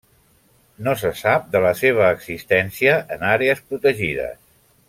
No se sap de la seva existència en àrees protegides.